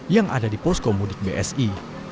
yang ada di poskomudik bsi